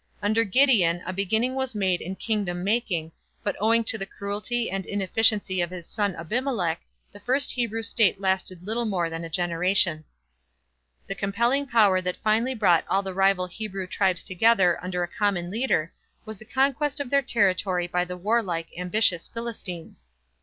Under Gideon a beginning was made in kingdom making, but owing to the cruelty and inefficiency of his son Abimelech, the first Hebrew state lasted little more than a generation. The compelling power that finally brought all the rival Hebrew tribes together under a common leader was the conquest of their territory by the warlike, ambitious Philistines.